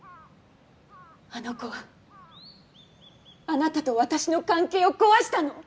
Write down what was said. あの子はあなたと私の関係を壊したの。